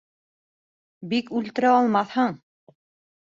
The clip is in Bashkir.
Бик үлтерә алмаҫһың!